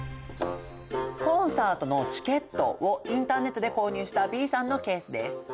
コンサートのチケットをインターネットで購入したＢさんのケースです。